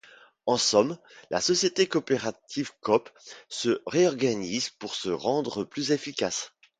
En somme, la société coopérative Coop se réorganise pour se rendre plus efficace.